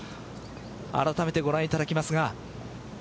改めてご覧いただきますが。